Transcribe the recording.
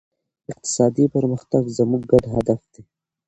اقتصادي پرمختګ زموږ ګډ هدف دی.